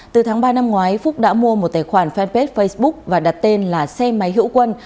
từ tháng ba năm ngoái phúc đã mua một tài khoản fanpage facebook và đặt tên là xe máy hữu quân